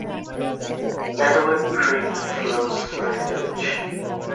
Leatherwood Creek flows through the village.